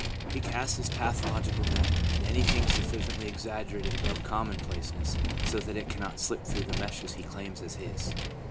He casts his pathological net, and anything sufficiently exaggerated above commonplaceness so that it cannot slip through the meshes he claims as his.